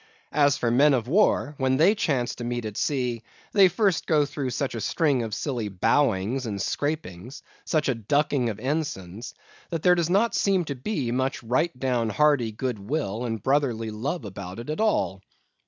As for Men of War, when they chance to meet at sea, they first go through such a string of silly bowings and scrapings, such a ducking of ensigns, that there does not seem to be much right down hearty good will and brotherly love about it at all.